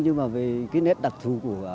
nhưng mà về cái nét đặc thù của